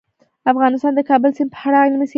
افغانستان د د کابل سیند په اړه علمي څېړنې لري.